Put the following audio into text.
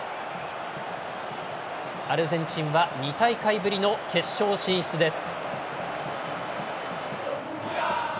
アルゼンチンは２大会ぶりの決勝進出です。